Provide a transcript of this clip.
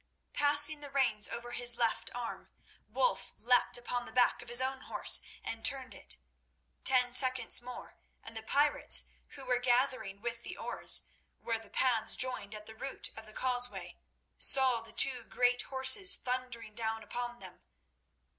Passing the reins over his left arm, Wulf leapt upon the back of his own horse, and turned it. Ten seconds more, and the pirates, who were gathering with the oars where the paths joined at the root of the causeway, saw the two great horses thundering down upon them.